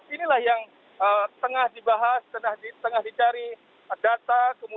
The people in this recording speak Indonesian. inilah yang tengah dibahas tengah dicari data